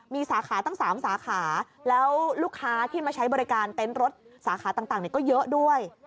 มีสาขาตั้ง๓สาขาแล้วลูกค้าที่มาใช้บริการเต็นต์รถสาขาต่างก็เยอะด้วย